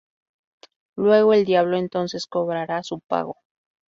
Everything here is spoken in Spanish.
Luego el diablo entonces cobrará su pago.